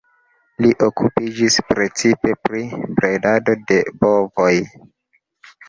Li okupiĝis precipe pri bredado de bovoj.